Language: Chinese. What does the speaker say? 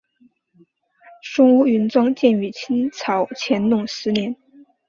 松坞云庄建于清朝乾隆十年。